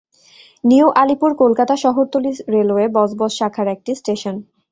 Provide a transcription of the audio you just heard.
New Alipore Kolkata শহরতলি railway Budge Budge শাখার একটি স্টেশন।